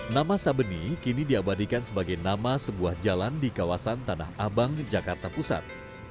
nama sabeni kini diabadikan sebagai nama sebuah jalan di kawasan tanah abang jakarta pusat